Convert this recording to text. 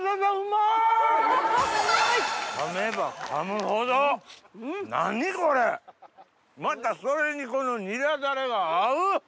またそれにこのニラダレが合う！